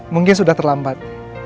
mungkin sudah terlambat